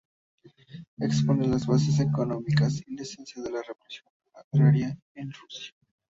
Expone las bases económicas y la esencia de la revolución agraria en Rusia.